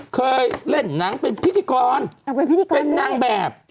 เคยเล่นหนังเป็นพิธีกรเป็นนางแบบ